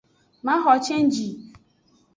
Maxo cenji.